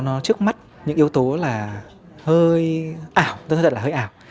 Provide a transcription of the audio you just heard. nó trước mắt những yếu tố là hơi ảo rất là hơi ảo